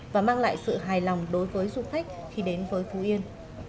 và mang lại sự hài lòng đối với du khách khi đến với phú yên